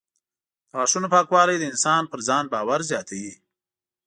د غاښونو پاکوالی د انسان پر ځان باور زیاتوي.